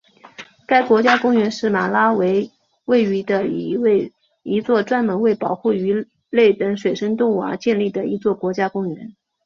该国家公园是马拉维位于的一座专门为保护鱼类等水生动物而建立的一座国家公园。